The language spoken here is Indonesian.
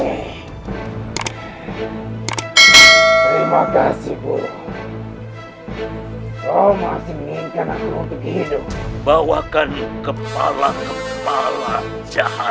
terima kasih bu kau masih menginginkan aku untuk hidup bawahkan kepala kepala jahat